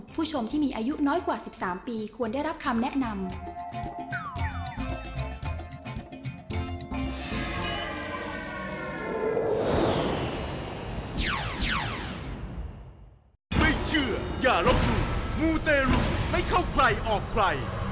ผู้ชมที่มีอายุน้อยกว่า๑๓ปีควรได้รับคำแนะนำ